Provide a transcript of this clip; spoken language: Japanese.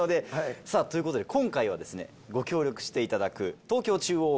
さぁということで今回はご協力していただく。